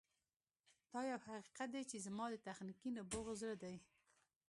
دا یو حقیقت دی چې زما د تخنیکي نبوغ زړه دی